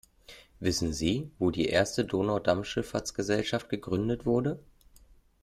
Wissen Sie, wo die erste Donaudampfschifffahrtsgesellschaft gegründet wurde?